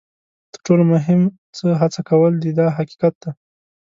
تر ټولو مهم څه هڅه کول دي دا حقیقت دی.